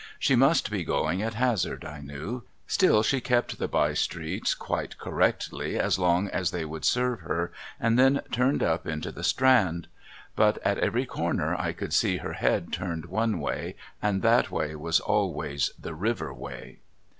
She must be going at hazard I knew, still she kept the bye streets quite correctly as long as they would serve her, and then turned up into the Strand. But at every corner I could see her head turned one way, and that way was always the river way.